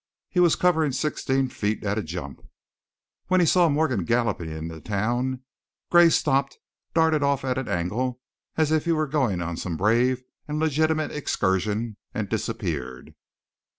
He was covering sixteen feet at a jump. When he saw Morgan galloping into the town, Gray stopped, darted off at an angle as if he were going on some brave and legitimate excursion, and disappeared.